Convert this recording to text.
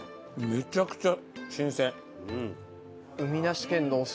めちゃくちゃ新鮮。